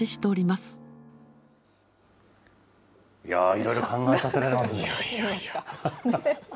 いろいろ考えさせられますね。